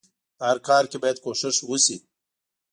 په هر کار کې بايد کوښښ وشئ.